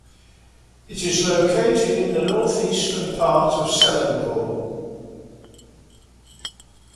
It is located in the northeastern part of Selangor.